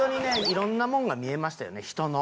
色んなもんが見えましたよね人の。